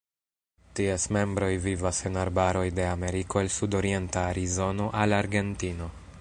Ties membroj vivas en arbaroj de Ameriko el sudorienta Arizono al Argentino.